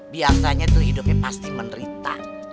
biasanya tuh hidupnya pasti menerita